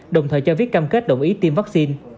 đồng thời cho viết cam kết đồng ý tiêm vaccine